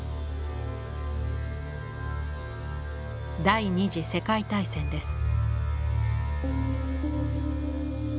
第二次世界大戦です。